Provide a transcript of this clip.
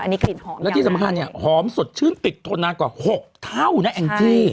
อันนี้กลิ่นหอมแล้วที่สำคัญเนี่ยหอมสดชื่นติดทนนานกว่า๖เท่านะแองจี้